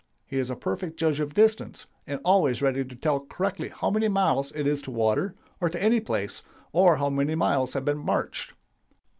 He is a perfect judge of distance, and always ready to tell correctly how many miles it is to water, or to any place, or how many miles have been marched....